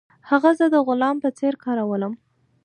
هغه زه د غلام په څیر کارولم.